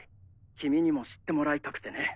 君にも知ってもらいたくてね。